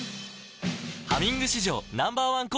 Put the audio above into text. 「ハミング」史上Ｎｏ．１抗菌